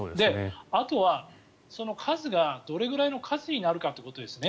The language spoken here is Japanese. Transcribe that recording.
あとは、その数がどれぐらいの数になるかということですね。